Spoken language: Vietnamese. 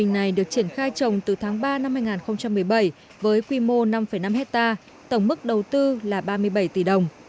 năm hai nghìn một mươi bảy với quy mô năm năm hectare tổng mức đầu tư là ba mươi bảy tỷ đồng